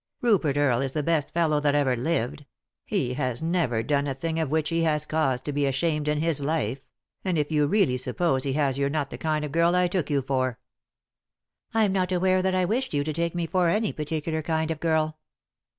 " Rupert Earle is the best fellow that ever lived ; he has never done a thing of which he has cause to be ashamed in his life ; and if you really suppose he has you're not the kind of girl I took you for." " I'm not aware that I wished you to take me for any particular kind of girl."